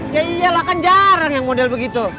ya iyalah kan jarang yang model begitu